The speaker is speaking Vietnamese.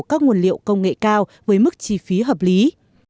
các nguồn liệu công nghệ cao với mức chi phí hợp lý